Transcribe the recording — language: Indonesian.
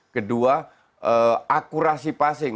kedua akurasi passing